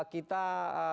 kita tunggu lagi